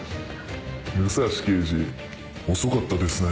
武蔵刑事遅かったですね。